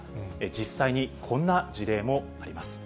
実際にこんな事例もあります。